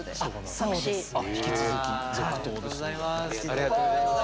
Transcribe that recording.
ありがとうございます。